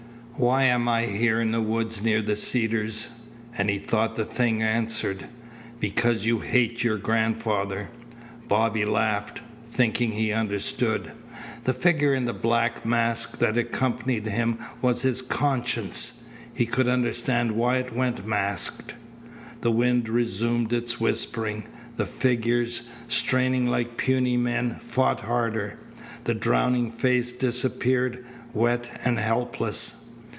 "Why am I here in the woods near the Cedars?" And he thought the thing answered: "Because you hate your grandfather." Bobby laughed, thinking he understood. The figure in the black mask that accompanied him was his conscience. He could understand why it went masked. The wind resumed its whispering. The figures, straining like puny men, fought harder. The drowning face disappeared, wet and helpless.